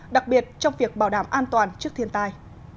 đặc biệt trong việc bảo đảm an toàn trước thiên tai